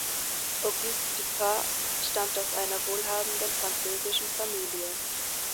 Auguste Dupin stammt aus einer wohlhabenden französischen Familie.